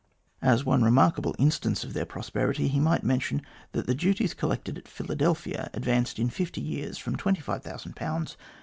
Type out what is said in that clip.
As one remarkable instance of their prosperity, he might mention that the duties collected at Philadelphia advanced in fifty years from 25,000 to 500,000.